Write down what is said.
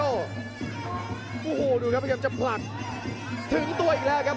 โอ้โหดูครับพยายามจะผลักถึงตัวอีกแล้วครับ